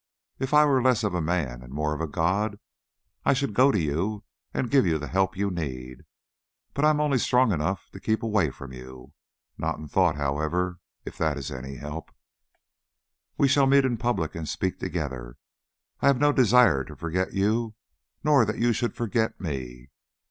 If I were less of a man and more of a god, I should go to you and give you the help you need, but I am only strong enough to keep away from you. Not in thought, however, if that is any help. We shall meet in public and speak together. I have no desire to forget you nor that you should forget me.